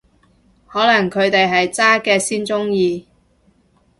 可能佢哋係渣嘅先鍾意